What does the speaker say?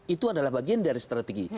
itu adalah bagian dari strategi